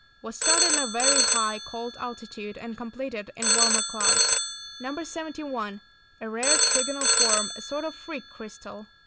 70 was started in a very high, cold altitude, and completed in warmer clouds. No. 71. A rare trigonal form, a sort of "freak" crystal.